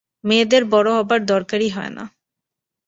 মেয়েদের বড়ো হবার দরকারই হয় না।